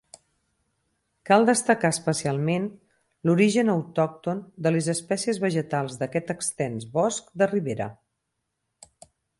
Cal destacar especialment l’origen autòcton de les espècies vegetals d’aquest extens bosc de ribera.